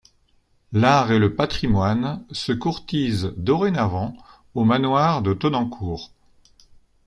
L’art et le patrimoine se courtisent dorénavant au manoir de Tonnancour.